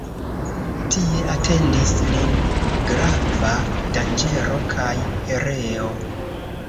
Tie atendis lin grava danĝero kaj pereo.